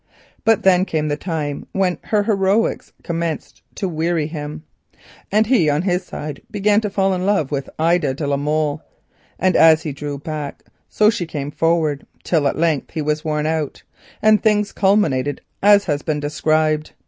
But then came the time when her heroics began to weary him, and he on his side began to fall in love with Ida de la Molle, and as he drew back so she came forward, till at length he was worn out, and things culminated as has been described.